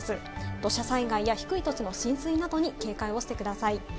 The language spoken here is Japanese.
土砂災害や低い土地の浸水などに警戒をしてください。